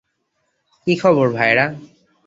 কী খবর, ভায়েরা?